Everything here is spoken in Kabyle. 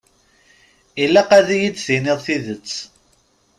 Ilaq ad yi-d-tiniḍ tidet.